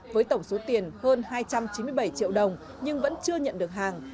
với tổng số tiền hơn hai trăm chín mươi bảy triệu đồng nhưng vẫn chưa nhận được hàng